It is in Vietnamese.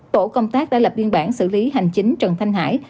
tổ công tác đã lập biên bản xử lý hành chính trần thanh hải